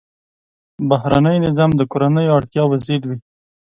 بهرنی نظام د کورنیو اړتیاوو ضد وي.